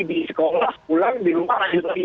di sekolah pulang di rumah lanjut lagi